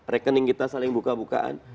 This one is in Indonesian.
rekening kita saling buka bukaan